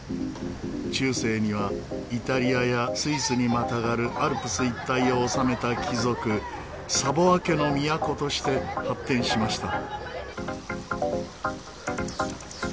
中世にはイタリアやスイスにまたがるアルプス一帯を治めた貴族サヴォア家の都として発展しました。